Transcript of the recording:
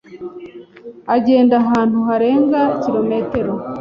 agenda ahantu harenga kirometero